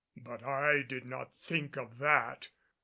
But I did not think of that.